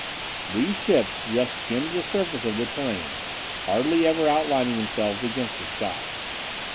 These ships just skimmed the surface of the terrain, hardly ever outlining themselves against the sky.